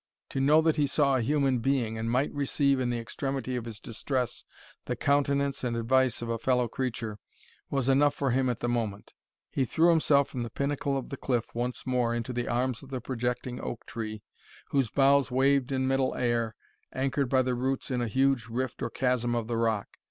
To know that he saw a human being, and might receive, in the extremity of his distress, the countenance and advice of a fellow creature, was enough for him at the moment. He threw himself from the pinnacle of the cliff once more into the arms of the projecting oak tree, whose boughs waved in middle air, anchored by the roots in a huge rift or chasm of the rock.